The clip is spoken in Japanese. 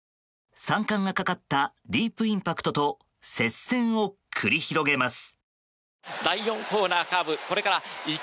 ３冠がかかったディープインパクトと接戦を繰り広げます。